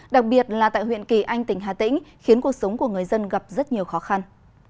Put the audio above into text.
đặc biệt là tại huyện kỳ anh tỉnh hà tĩnh khiến cuộc sống của người dân gặp rất nhiều khó khăn